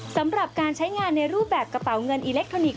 สำหรับการใช้งานในรูปแบบกระเป๋าเงินอิเล็กทรอนิกส